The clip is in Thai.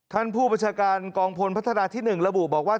ผู้บัญชาการกองพลพัฒนาที่๑ระบุบอกว่า